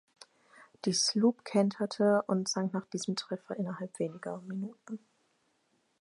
Die Sloop kenterte und sank nach diesem Treffer innerhalb weniger Minuten.